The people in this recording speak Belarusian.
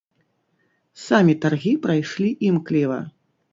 Самі таргі прайшлі імкліва.